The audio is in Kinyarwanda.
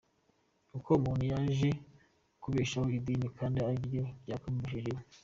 Uko umuntu yaje kubeshaho idini kandi ariryo ryakamubeshejeho.